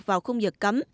vào khung giờ cấm